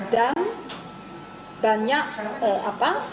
dan banyak apa